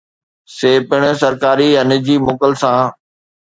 سي پڻ سرڪاري يا نجي موڪل سان